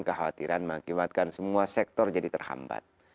kekhawatiran mengakibatkan semua sektor jadi terhambat